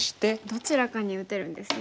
どちらかに打てるんですね。